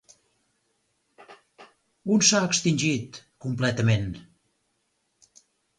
On s'ha extingit completament?